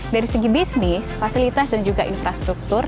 dari segi bisnis fasilitas dan juga infrastruktur